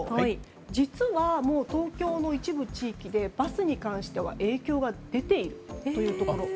実は、もう東京の一部地域でバスに関しては影響は出ているということです。